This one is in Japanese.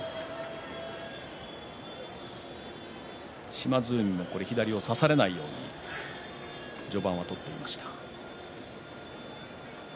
島津海も左を差されないように序盤は取っていました。